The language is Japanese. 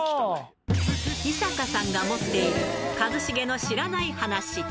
井坂さんが持っている、一茂の知らない話。